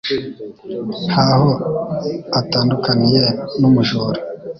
nta ho atandukaniye n’umujura